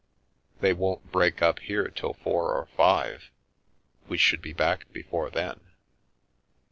They won't break up here till four or five, we should be back before then.